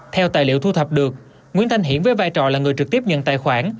theo tài liệu thu thập được nguyễn thanh hiển với vai trò là người trực tiếp nhận tài khoản